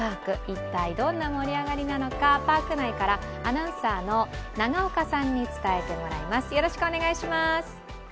一体どんな盛り上がりなのか、パーク内からアナウンサーの永岡さんに伝えてもらいます。